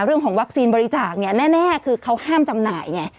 เรื่องของวัคซีนบริจาคเนี่ยแน่คือเขาห้ามจำหน่ายไง